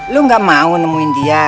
lu gak mau nemuin dia